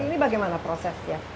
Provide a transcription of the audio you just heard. ini bagaimana proses ya